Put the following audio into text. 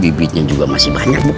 bibitnya juga masih banyak